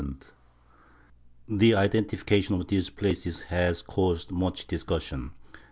The identification of these places has caused much discussion.